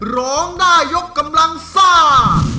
ร้องได้ยกกำลังซ่า